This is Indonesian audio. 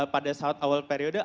pada saat awal periode